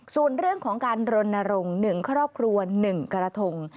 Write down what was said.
ส่วนเรื่องของการรณรงค์๑ครอบครัว๑กระทง